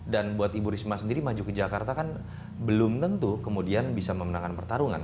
dan buat ibu risma sendiri maju ke jakarta kan belum tentu kemudian bisa memenangkan pertarungan